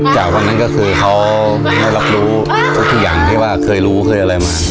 จากวันนั้นก็คือเขาได้รับรู้ทุกอย่างที่ว่าเคยรู้เคยอะไรมา